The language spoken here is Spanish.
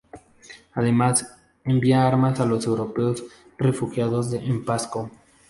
Además, envía armas a los europeos refugiados en Pasco.